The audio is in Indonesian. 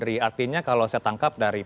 artinya kalau saya tangkap dari